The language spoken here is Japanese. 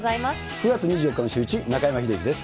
９月２４日のシューイチ、中山秀征です。